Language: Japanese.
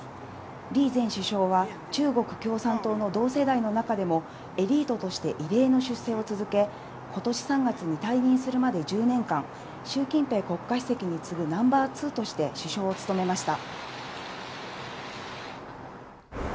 李前首相は、中国共産党の同世代の中でも、エリートとして異例の出世を続け、ことし３月に退任するまで１０年間、習近平国家主席に次ぐナンバー２として首相を務めました。